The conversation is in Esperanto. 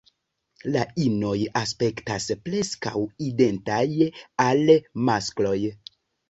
La inoj aspektas preskaŭ identaj al maskloj.